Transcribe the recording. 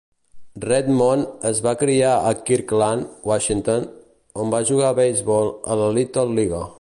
Redmond es va criar a Kirkland, Washington, on va jugar a beisbol a la Little League.